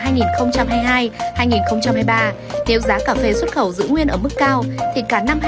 nếu giá cà phê xuất khẩu giữ nguyên ở mức cao thì cả năm hai nghìn hai mươi